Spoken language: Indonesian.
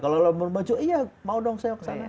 kalau labuan bajo iya mau dong saya kesana